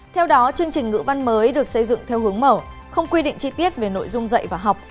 theo đó chương trình ngữ văn mới được xây dựng theo hướng mở không quy định chi tiết về nội dung dạy và học